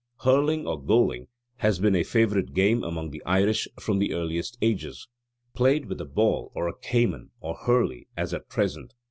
Hurling or goaling has been a favourite game among the Irish from the earliest ages: played with a ball and a caman or hurley as at present.